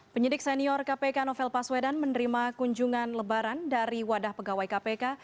penyidik senior kpk novel baswedan menerima kunjungan lebaran dari wadah pegawai kpk